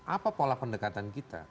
apa pola pendekatan kita